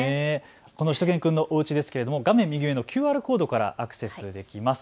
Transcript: このしゅと犬くんのおうちですが画面右上のＱＲコードからアクセスできます。